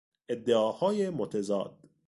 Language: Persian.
ادعاهای متضاد